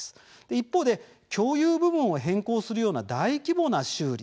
一方で共有部分を変更するような大規模な修理